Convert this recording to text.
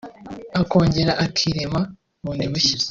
akongera akirema bubndi bushya